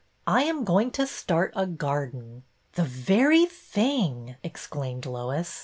I am going to start a garden." "The very thing!" exclaimed Lois.